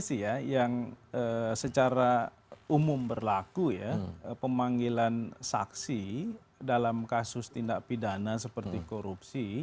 saksi ya yang secara umum berlaku ya pemanggilan saksi dalam kasus tindak pidana seperti korupsi